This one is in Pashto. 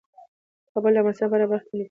کابل د افغانستان په هره برخه کې موندل کېږي.